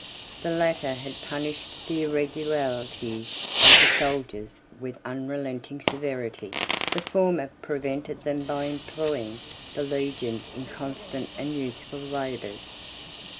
The latter had punished the irregularities of the soldiers with unrelenting severity, the former prevented them by employing the legions in constant and useful labors.